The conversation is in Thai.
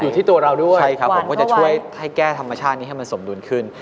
อยู่ที่ตัวเราด้วยใช่ครับผมก็จะช่วยให้แก้ธรรมชาตินี้ให้มันสมดุลขึ้น